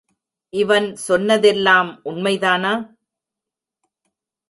இவன் சொன்னதெல்லாம் உண்மைதானா?